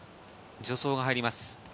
助走が入ります。